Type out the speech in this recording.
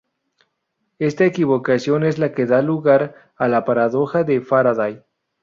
Esta equivocación es la que da lugar a la paradoja de Faraday.